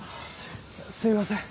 すいません。